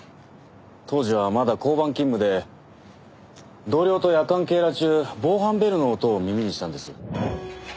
当時はまだ交番勤務で同僚と夜間警ら中防犯ベルの音を耳にしたんです。